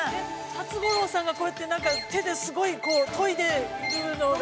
◆辰五郎さんがこうやってなんか手ですごいといでいるのが。